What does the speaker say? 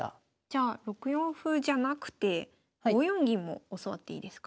じゃあ６四歩じゃなくて５四銀も教わっていいですか？